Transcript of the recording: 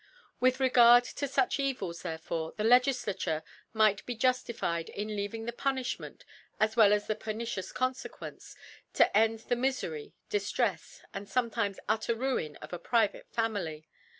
——* With regard to fuch Evils therefore the L^ giflature might bejuftified in leaving the Pu nifhment, as well as the pernicious Confe quence, to end in the Mifery, Dirtrefs, and fometimes utter Ruin of a private Family.